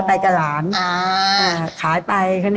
ไปช่วยเขาไปก่อน